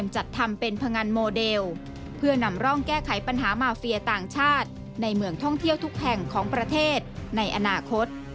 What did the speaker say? จัดทำเป็นพงันโมเดลเพื่อนำร่องแก้ไขปัญหามาเฟียต่างชาติในเมืองท่องเที่ยวทุกแห่งของประเทศในอนาคต